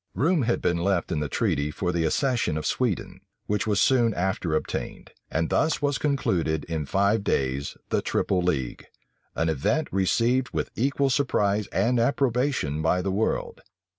Room had been left in the treaty for the accession of Sweden, which was soon after obtained; and thus was concluded in five days the triple league; an event received with equal surprise and approbation by the world.